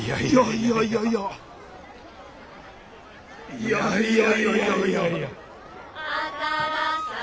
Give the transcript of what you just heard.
いやいやいやいやいや。